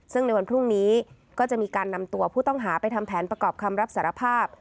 ซึ่งในวันพรุ่งนี้ก็จะมีการนำตัวผู้ต้องหาไปทำแผนประกอบคำรับสารภาพ